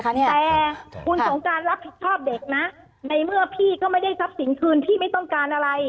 แต่คุณสงการรับผิดชอบเด็กนะในเมื่อพี่ก็ไม่ได้ทรัพย์สินคืนพี่ไม่ต้องการอะไร